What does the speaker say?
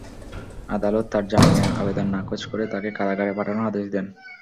আদালত তাঁর জামিনের আবেদন নাকচ করে তাঁকে কারাগারে পাঠানোর আদেশ দেন।